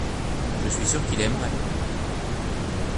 Je suis sûr qu’il aimerait.